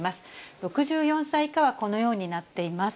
６４歳以下はこのようになっています。